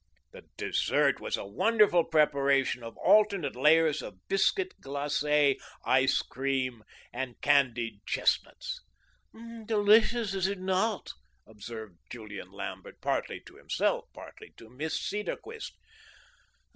The dessert was a wonderful preparation of alternate layers of biscuit glaces, ice cream, and candied chestnuts. "Delicious, is it not?" observed Julian Lambert, partly to himself, partly to Miss Cedarquist.